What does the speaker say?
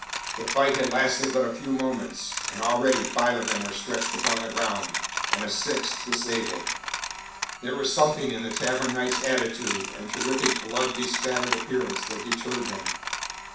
The fight had lasted but a few moments, and already five of them were stretched upon the ground, and a sixth disabled. There was something in the Tavern Knight's attitude and terrific, blood bespattered appearance that deterred them.